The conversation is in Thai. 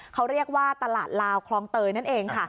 เขาเรียกว่าตลาดลาวคลองเตยนั่นเองค่ะ